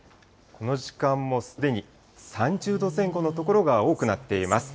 この時間もすでに３０度前後の所が多くなっています。